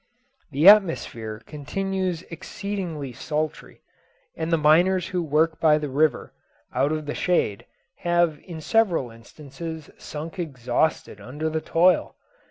The atmosphere continues exceedingly sultry, and the miners who work by the river, out of the shade, have in several instances sunk exhausted under the toil.